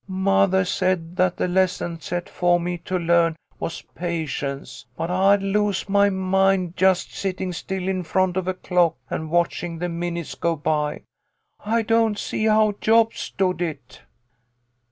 Mothah said that the lesson set fo* me to learn was patience, but I'd lose my mind, just sitting still in front of a clock and watching the minutes go by. I don't see how Job stood it."